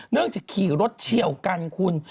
เนื่องจากขี่รถเชี่ยวกันคุณ